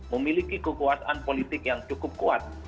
memiliki kekuasaan politik yang cukup kuat